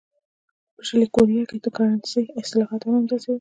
په شلي کوریا کې د کرنسۍ اصلاحات هم همداسې وو.